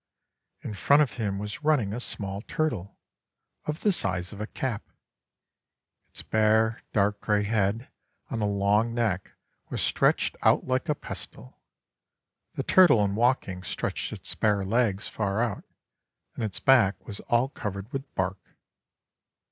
In front of him was running a small turtle, of the size of a cap. Its bare, dark gray head on a long neck was stretched out like a pestle; the turtle in walking stretched its bare legs far out, and its back was all covered with bark.